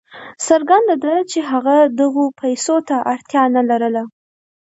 څرګنده ده چې هغه دغو پیسو ته اړتیا نه لرله.